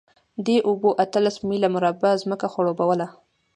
دې اوبو اتلس میله مربع ځمکه خړوبوله.